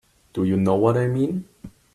Do you know what I mean?